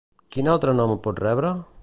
Quin altre nom pot rebre?